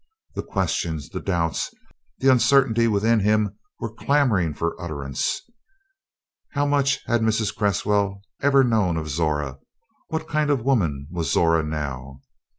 The questions, the doubts, the uncertainty within him were clamoring for utterance. How much had Mrs. Cresswell ever known of Zora? What kind of a woman was Zora now?